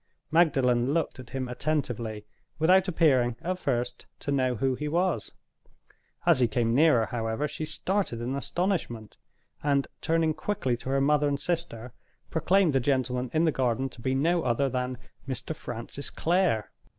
Magdalen looked at him attentively, without appearing, at first, to know who he was. As he came nearer, however, she started in astonishment; and, turning quickly to her mother and sister, proclaimed the gentleman in the garden to be no other than "Mr. Francis Clare."